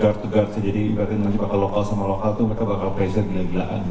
gord to god sih jadi berarti nanti bakal lokal sama lokal tuh mereka bakal pressure gila gilaan